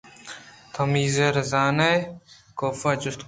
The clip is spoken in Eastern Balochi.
تو میزی ءَ زانئے؟ کاف ءَ جست کُت